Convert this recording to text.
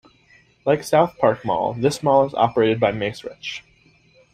Like SouthPark Mall, this mall is operated by Macerich.